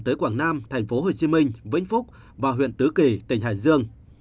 tới quảng nam thành phố hồ chí minh vĩnh phúc và huyện tứ kỳ tỉnh hải dương